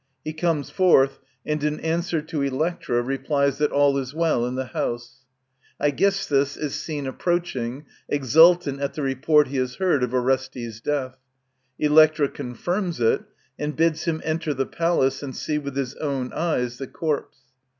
He comes Jorth, and in answer to Electra replies that all is well in the house. Aegisthus is seen approaching, exultant at the report he has heard of Orestes' death. Electra confirms it, and bids him enter the palace and see with his own eyes the corpse.